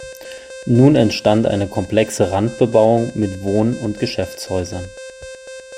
Nun entstand eine komplexe Randbebauung mit Wohn- und Geschäftshäusern.